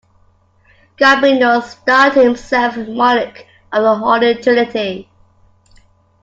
Gabrino styled himself monarch of the Holy Trinity.